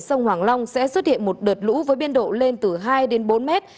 sông hoàng long sẽ xuất hiện một đợt lũ với biên độ lên từ hai đến bốn mét